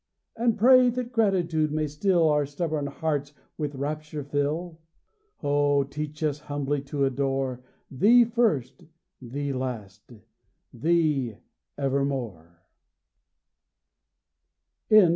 And pray, that gratitude may still Our stubborn hearts with rapture fill? O teach us humbly to adore Thee first, Thee last, Thee evermore! THE END.